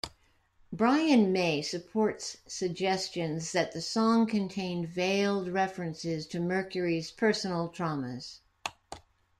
Brian May supports suggestions that the song contained veiled references to Mercury's personal traumas.